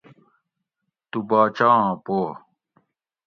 تو باچا آں پو